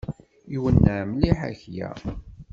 Iwenneɛ mliḥ akya.